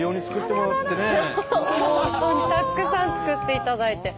本当たくさん作っていただいて。